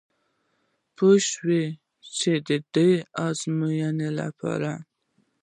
پوه شوم چې دا زمونږ لپاره دي.